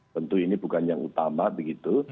tentu ini bukan yang utama begitu